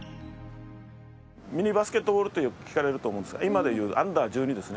ミニバスケットボールってよく聞かれると思うんですが今でいうアンダー１２ですね。